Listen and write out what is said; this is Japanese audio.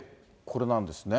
これなんですね。